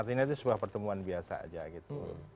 ini adalah pertemuan biasa saja gitu